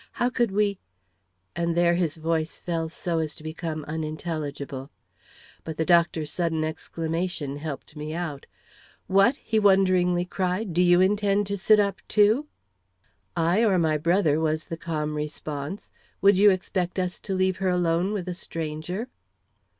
How could we " and there his voice fell so as to become unintelligible. But the doctor's sudden exclamation helped me out. "What!" he wonderingly cried, "do you intend to sit up too?" "I or my brother," was the calm response, "Would you expect us to leave her alone with a stranger?"